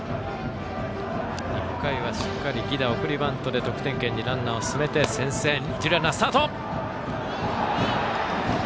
１回はしっかり犠打、送りバントで得点圏にランナーを進めて先制しました。